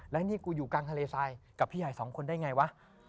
แล้วนี่กูอยู่กลางทะเลทรายกับพี่ใหญ่สองคนได้ไงวะ